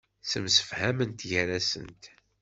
Ttemsifhament gar-asent.